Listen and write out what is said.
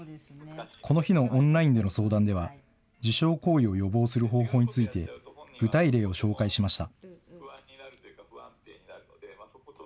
この日のオンラインでの相談では、自傷行為を予防する方法について、具体例を紹介しました。